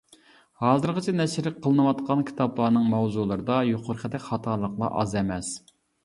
ھازىرغىچە نەشر قىلىنىۋاتقان كىتابلارنىڭ ماۋزۇلىرىدا يۇقىرىقىدەك خاتالىقلار ئاز ئەمەس.